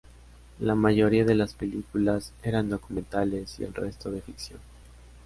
La mayoría de las películas eran documentales y el resto de ficción.